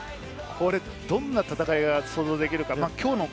どんな戦いが想像できるのか。